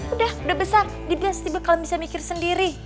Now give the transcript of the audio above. udah udah besar dia tiba tiba kalau bisa mikir sendiri